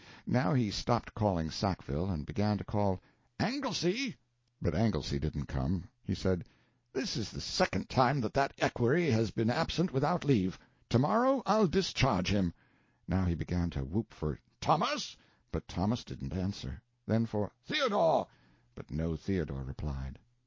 Now he stopped calling Sackville and began to call "Anglesy." But Anglesy didn't come. He said, "This is the second time that that equerry has been absent without leave. To morrow I'll discharge him." Now he began to whoop for "Thomas," but Thomas didn't answer. Then for "Theodore," but no Theodore replied.